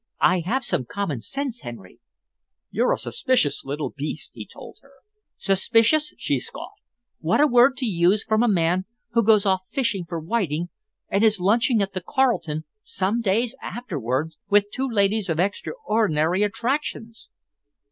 I have some common sense, Henry." "You're a suspicious little beast," he told her. "Suspicious!" she scoffed. "What a word to use from a man who goes off fishing for whiting, and is lunching at the Carlton, some days afterwards, with two ladies of extraordinary attractions!"